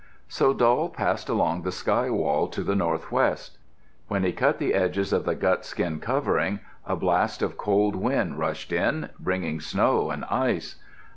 So Doll passed along the sky wall to the northwest. When he cut the edges of the gut skin covering, a blast of cold wind rushed in, bringing snow and ice.